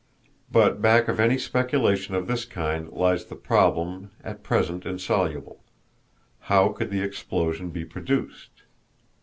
But back of any speculation of this kind lies the problem, at present insoluble: How could the explosion be produced?